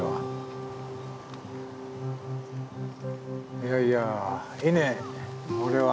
いやいやいいねこれは。